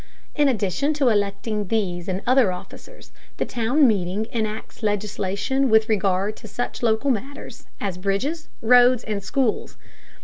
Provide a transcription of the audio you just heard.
In addition to electing these and other officers, the town meeting enacts legislation with regard to such local matters as bridges, roads, and schools.